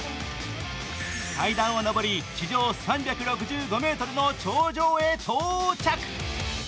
階段を上り、地上３６５ｍの頂上へ到達。